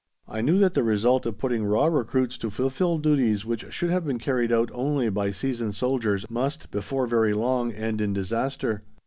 I knew that the result of putting raw recruits to fulfil duties which should have been carried out only by seasoned soldiers, must, before very long, end in disaster.